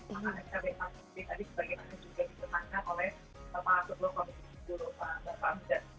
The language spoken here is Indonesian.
maka saya bisa beri panggilan tadi juga di depannya oleh pak ketua komisi juru baru pak huda